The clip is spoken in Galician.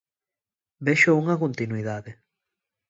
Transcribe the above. Vexo unha continuidade.